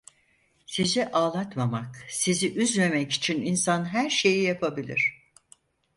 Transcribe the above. Sizi ağlatmamak, sizi üzmemek için insan her şeyi yapabilir.